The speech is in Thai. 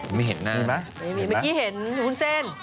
เมื่อกี้เห็นคุณเส้น